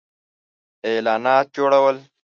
-اعلانات جوړو ل